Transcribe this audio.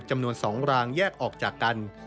จำนวน๒รางแยกออกจากกัน